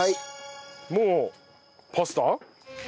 もうパスタ？